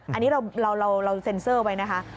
อันนี้เราเซ็นเซอร์ไว้นะคะ